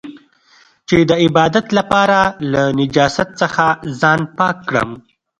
چې د عبادت لپاره له نجاست څخه ځان پاک کړم.